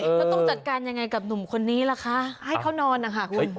แล้วต้องจัดการยังไงกับหนุ่มคนนี้ล่ะคะให้เขานอนนะคะคุณ